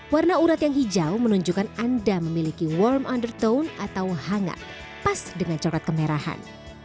warna urat yang hijau menunjukkan anda memiliki warm undertone atau hangat pas dengan coklat kemerahan